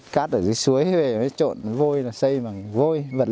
cát ở dưới suối mới trộn vôi xây bằng vôi